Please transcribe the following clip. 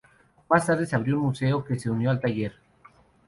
Más tarde se abrió un museo que se unió al taller.